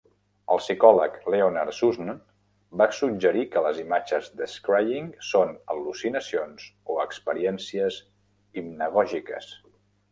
El psicòleg Leonard Zusne va suggerir que les imatges de 'scrying' són al·lucinacions o experiències hipnagògiques.